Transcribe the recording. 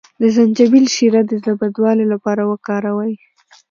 د زنجبیل شیره د زړه بدوالي لپاره وکاروئ